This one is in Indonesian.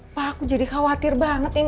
pak aku jadi khawatir banget ini